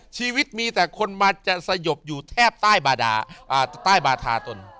ชีวิตมีแต่คนมาจะสยบอยู่แทบใต้บาธาตน